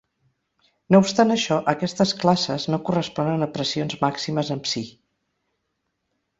No obstant això, aquestes classes no corresponen a pressions màximes en psi.